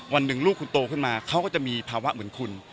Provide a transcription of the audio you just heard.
วันหนึ่งลูกคุณโตขึ้นมาเขาก็จะมีภาวะเหมือนคุณ